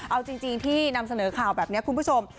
เอาจริงที่นำเสนอข่าวแบบนี้คุณผู้ชม